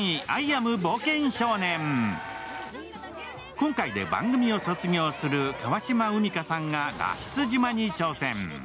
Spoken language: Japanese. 今回で番組を卒業する川島海荷さんが脱出島に挑戦。